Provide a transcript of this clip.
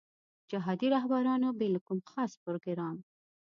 جهادي رهبرانو بې له کوم خاص پروګرام.